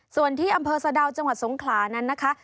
ส่วนที่อำเภอสะดาวจังหวัดสงขลานั้นนะคะ